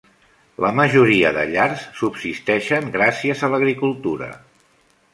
La majoria de llars subsisteixen gràcies a l'agricultura.